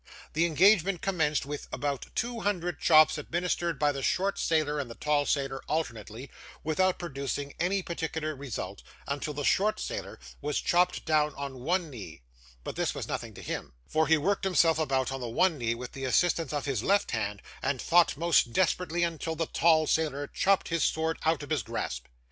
The engagement commenced with about two hundred chops administered by the short sailor and the tall sailor alternately, without producing any particular result, until the short sailor was chopped down on one knee; but this was nothing to him, for he worked himself about on the one knee with the assistance of his left hand, and fought most desperately until the tall sailor chopped his sword out of his grasp.